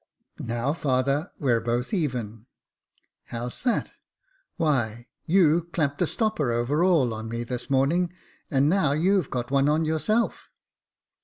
Now, father, we're both even." " How's that ?" Jacob Faithful 79 " Why, you clapped a stopper over all on me this morning, and now you've got one on yourself."